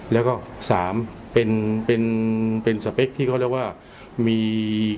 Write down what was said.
แล้วก็สามเป็นเป็นสเปคที่เขาเรียกว่ามี